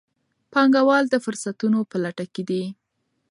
پانګوال د فرصتونو په لټه کې دي.